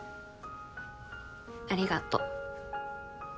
ありがとう。